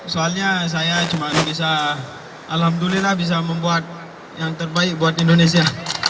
soalnya saya cuma bisa alhamdulillah bisa membuat yang terbaik buat indonesia